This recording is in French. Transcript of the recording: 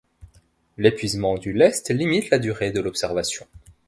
L'épuisement du lest limite la durée de l'observation.